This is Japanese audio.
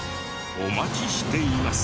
お待ちしています。